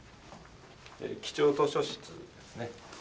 貴重図書室ですね。